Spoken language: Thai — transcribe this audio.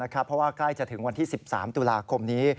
เพราะว่าใกล้จะถึงวันที่๑๓ตุลาคมนี้